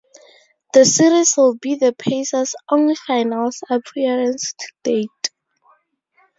The series would be the Pacers' only finals appearance to date.